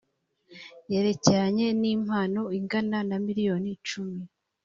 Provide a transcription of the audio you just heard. yerekeranye nimpano ingana na miliyoni cumi.